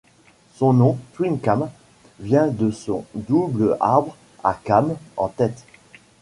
Son nom Twin-Cam vient de son double arbre à cames en tête.